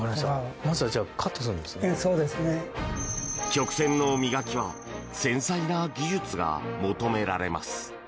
曲線の磨きは繊細な技術が求められます。